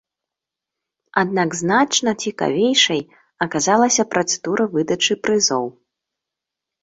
Аднак значна цікавейшай аказалася працэдура выдачы прызоў.